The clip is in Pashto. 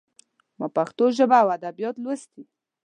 ما پښتو ژبه او ادبيات لوستي.